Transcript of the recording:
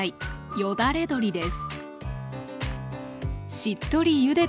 よだれ鶏です。